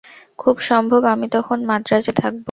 খুব সম্ভব আমি তখন মান্দ্রাজে থাকব।